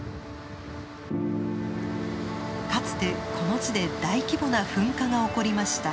かつてこの地で大規模な噴火が起こりました。